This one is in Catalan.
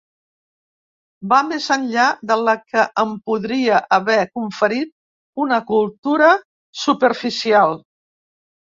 Va més enllà de la que em podria haver conferit una cultura superficial.